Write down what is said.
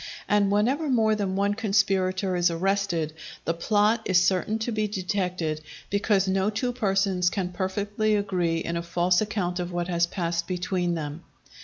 And whenever more than one conspirator is arrested, the plot is certain to be detected, because no two persons can perfectly agree in a false account of what has passed between them.